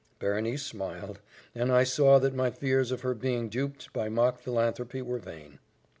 Berenice smiled; and I saw that my fears of her being duped by mock philanthropy were vain.